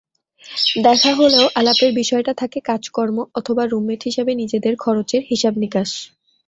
দেখা হলেও আলাপের বিষয় থাকে কাজকর্ম অথবা রুমমেট হিসেবে নিজেদের খরচের হিসাব-নিকাশ।